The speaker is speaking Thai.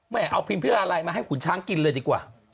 เอาพิมพิราลัยมาให้ขุนช้างกินเลยดีกว่า